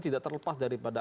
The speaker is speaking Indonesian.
tidak terlepas daripada